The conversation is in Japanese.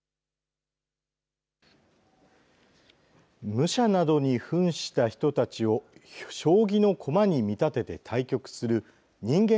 武者などにふんした人たちを将棋の駒に見立てて対局する人間